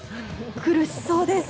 苦しそうです。